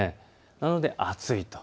なので暑いと。